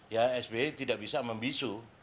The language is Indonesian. ya sby tidak bisa membisu